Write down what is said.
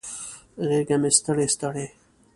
غیږه مې ستړي، ستړي